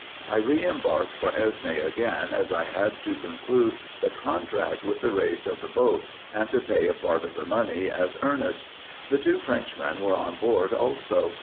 I re embarked for Esne again, as I had to conclude the contract with the Reis of the boat, and to pay a part of the money as earnest. The two French men were on board also.